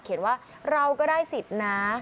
ว่าเราก็ได้สิทธิ์นะ